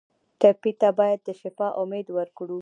ټپي ته باید د شفا امید ورکړو.